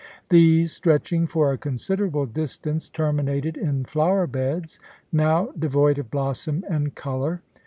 These, stretching for a considerable distance, terminated in flower beds, now devoid of blossom and colour.